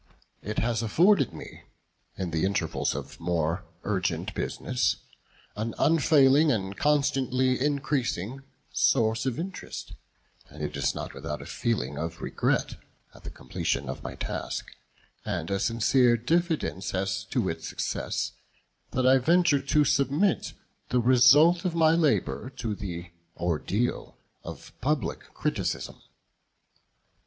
It has afforded me, in the intervals of more urgent business, an unfailing, and constantly increasing source of interest; and it is not without a feeling of regret at the completion of my task, and a sincere diffidence as to its success, that I venture to submit the result of my labour to the ordeal of public criticism.